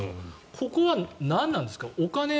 ここはなんなんですか？